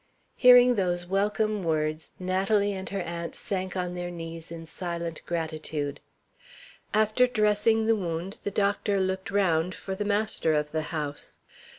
Hearing those welcome words, Natalie and her aunt sank on their knees in silent gratitude. After dressing the wound, the doctor looked round for the master of the house.